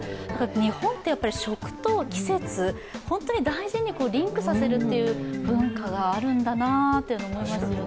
日本ってやっぱり食と季節、本当に大事にリンクさせるという文化があるんだなと思いますね。